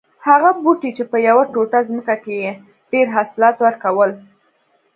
هغه بوټی چې په یوه ټوټه ځمکه کې یې ډېر حاصلات ور کول